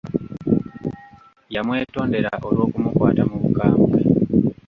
Yamwetondera olw'okumukwata mu bukambwe.